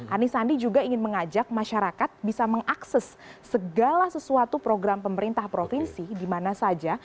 anies sandi juga ingin mengajak masyarakat bisa mengakses segala sesuatu program pemerintah provinsi di mana saja